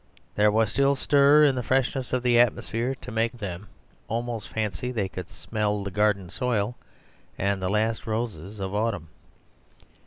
There was still enough stir in the freshness of the atmosphere to make them almost fancy they could smell the garden soil and the last roses of autumn.